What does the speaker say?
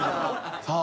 さあ